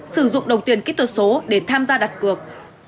sử dụng đầu tiền kích thuật số để tham gia đặt cược